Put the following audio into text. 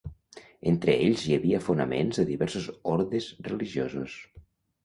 Entre ells hi havia fonaments de diversos ordes religiosos.